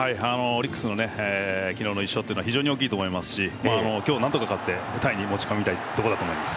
オリックスの昨日の１勝は非常に大きいと思いますし今日何とか勝ってタイに持ち込みたいと思います。